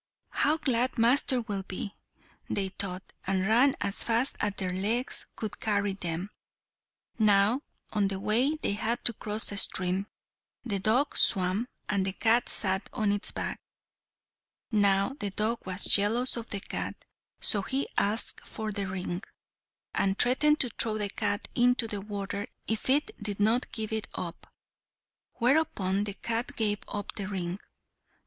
"How glad master will be!" they thought, and ran as fast as their legs could carry them. Now, on the way they had to cross a stream. The dog swam, and the cat sat on its back. Now the dog was jealous of the cat, so he asked for the ring, and threatened to throw the cat into the water if it did not give it up; whereupon the cat gave up the ring.